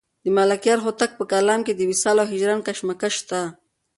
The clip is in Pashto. د ملکیار هوتک په کلام کې د وصال او هجران کشمکش شته.